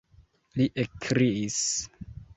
li ekkriis.